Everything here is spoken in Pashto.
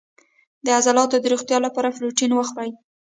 د عضلاتو د روغتیا لپاره پروتین وخورئ